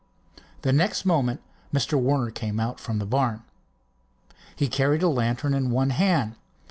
The next moment Mr. Warner came out from the barn. He carried a lantern in one hand.